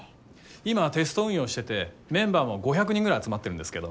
今テスト運用しててメンバーも５００人ぐらい集まってるんですけど。